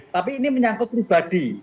tapi ini menyangkut pribadi